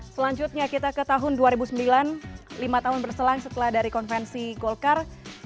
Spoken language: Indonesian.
selanjutnya kita ke tahun dua ribu sembilan lima tahun berselang setelah dari konvensi golkar